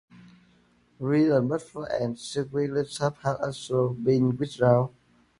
Brilliant Blackcurrant and Sizzling Strawberry have also been withdrawn.